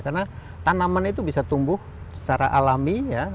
karena tanaman itu bisa tumbuh secara alami ya